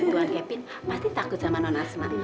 buan kevin pasti takut sama non asma